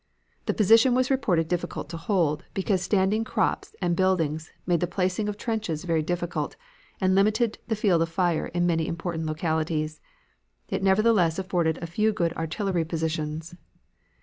The position was reported difficult to hold, because standing crops and buildings made the placing of trenches very difficult and limited the field of fire in many important localities. It nevertheless afforded a few good artillery positions.